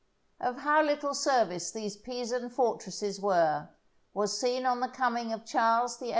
Of how little service these Pisan fortresses were, was seen on the coming of Charles VIII.